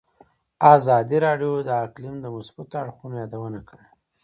ازادي راډیو د اقلیم د مثبتو اړخونو یادونه کړې.